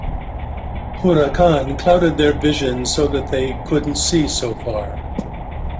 Huracan clouded their vision so that they couldn't see so far.